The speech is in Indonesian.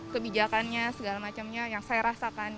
kebijakannya segala macamnya yang saya rasakan